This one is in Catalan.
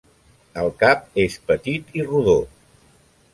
El cap és petit i rodó.